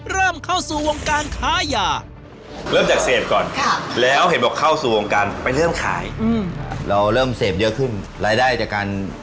เริ่มเข้าสู่วงการค้ายา